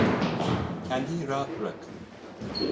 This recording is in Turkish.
Kendini rahat bırak.